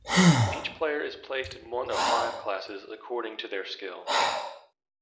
Every player is placed in one of five classes according to their skill.